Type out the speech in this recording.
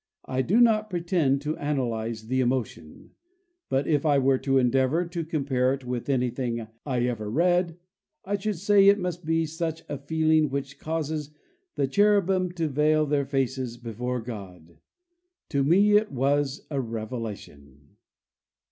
I do not pretend to analyze the emo tion, but if I were to endeavor to compare it with anything I ever read I should say it must be such a feeling which causes the cherubim to veil their faces before God. To me it was a revelation."